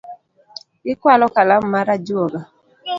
Ikualo kalam mar ajuoga?